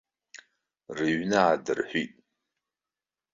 Рыҩны аадырҳәит.